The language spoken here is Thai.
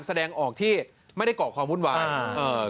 แสดงออกที่ไม่ได้เกาะความวุ่นวาย